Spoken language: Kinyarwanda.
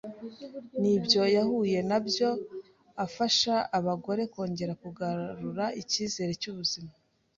nk’ibyo yahuye nabyo, afasha abagore kongera kugarura icyizere cy’ubuzima,